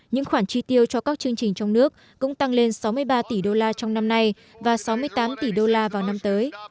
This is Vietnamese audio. những khoản chi tiêu cho các chương trình trong nước cũng tăng lên sáu mươi ba tỷ đô la trong năm nay và sáu mươi tám tỷ đô la vào năm tới